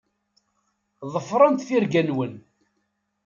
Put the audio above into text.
Ḍefṛet tirga-nwen.